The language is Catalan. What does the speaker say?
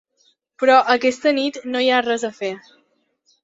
Però aquesta nit no hi ha res a fer.